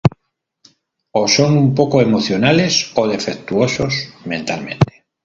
O son un poco emocionales o defectuosos mentalmente.